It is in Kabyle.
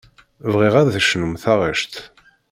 Bɣiɣ ad d-tecnum taɣect.